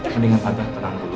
mendingan anda tenang dulu